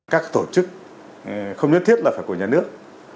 các tổ chức không nhất thiết là phải của nhà nước